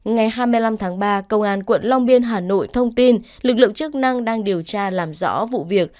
ngày hai mươi năm tháng ba công an quận long biên hà nội thông tin lực lượng chức năng đang điều tra làm rõ vụ việc